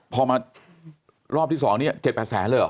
พอมารอบที่๒นี้๗๘แสนเลยเหรอ